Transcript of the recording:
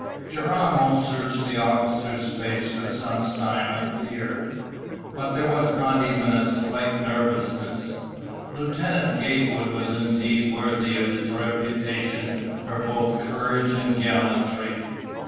Geronimo searched the officer's face for some sign of fear. But there was not even a slight nervousness. Lieutenant Gatewood was indeed worthy of his reputation for both courage and gallantry.